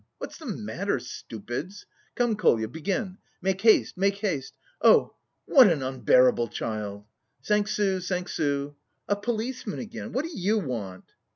What's the matter, stupids? Come, Kolya, begin. Make haste, make haste! Oh, what an unbearable child! "Cinq sous, cinq sous. "A policeman again! What do you want?"